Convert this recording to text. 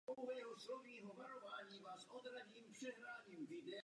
Po jejím skončení se na československém území nacházel pouze jeden exemplář.